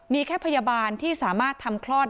มีแค่พยาบาลที่สามารถทำคลอด